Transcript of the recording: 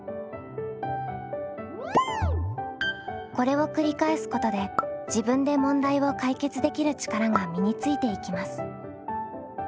これを繰り返すことで自分で問題を解決できる力が身についていきます。